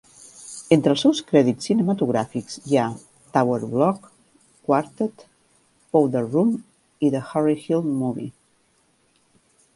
Entre els seus crèdits cinematogràfics hi ha "Tower Block", "Quartet", "Powder Room" i "The Harry Hill Movie".